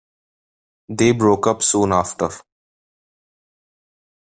They broke up soon after.